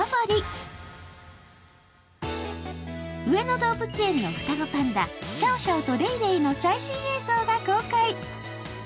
上野動物園の双子パンダシャオシャオとレイレイの最新映像が公開。